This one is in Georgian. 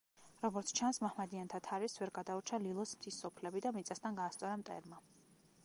როგორც ჩანს, მაჰმადიანთა თარეშს ვერ გადაურჩა ლილოს მთის სოფლები და მიწასთან გაასწორა მტერმა.